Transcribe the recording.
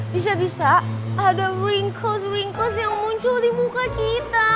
bisa bisa ada wrinkles wrinkles yang muncul di muka kita